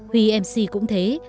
huy mc cũng thế